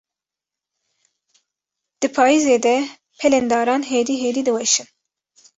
Di payîzê de, pelên daran hêdî hêdî diweşin.